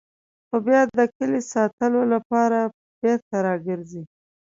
خو بیا د کلي ساتلو لپاره بېرته راګرځي.